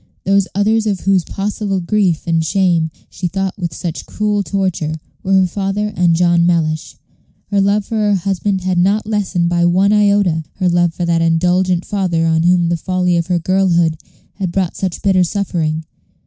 Those others of whose possible grief and shame she thought with such cruel torture were her father and John Mellish. Her love for her husband had not lessened by one iota her love for that indulgent father on whom the folly of her girlhood had brought such bitter suffering.